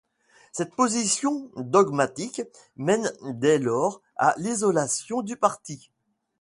Cette position dogmatique mène dès lors à l'isolation du parti.